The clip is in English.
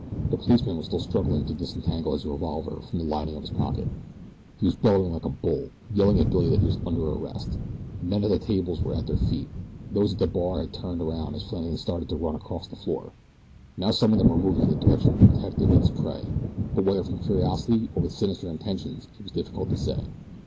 The policeman was still struggling to disentangle his revolver from the lining of his pocket. He was bellowing like a bull yelling at Billy that he was under arrest. Men at the tables were on their feet. Those at the bar had turned around as Flannagan started to run across the floor. Now some of them were moving in the direction of the detective and his prey, but whether from curiosity or with sinister intentions it is difficult to say.